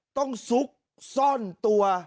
ต้องสุกซ่อนตัว